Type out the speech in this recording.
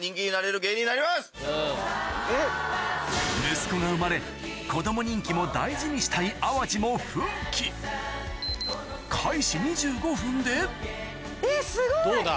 息子が生まれ子供人気も大事にしたい淡路も奮起えっすごい！